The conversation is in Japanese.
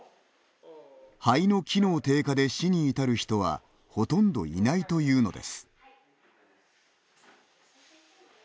肺の機能低下で死に至る人はほとんどいないというのです。